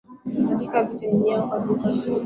katika vita ya wenyewe kwa wenyewe ya Vietnam